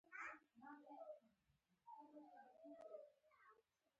اکبر جان وویل: ښه دی.